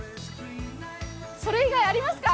それ以外ありますか？